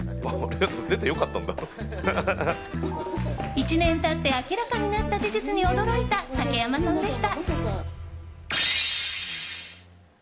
１年経って明らかになった事実に驚いた竹山さんでした。